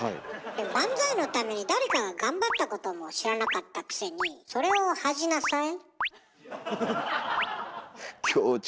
バンザイのために誰かが頑張ったことも知らなかったくせにそれを恥じなさい。